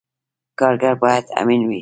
کارګر باید امین وي